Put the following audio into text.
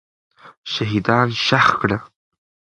شهیدان ښخ کړه.